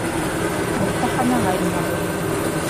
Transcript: Оҫтаханаға инәбеҙ.